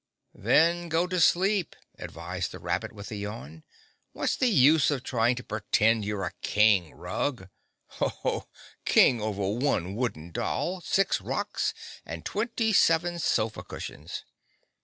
"Then go to sleep," advised the rabbit with a yawn. "What's the use of trying to pretend you're a King, Rug? Ho, ho! King over one wooden doll, six rocks and twenty seven sofa cushions!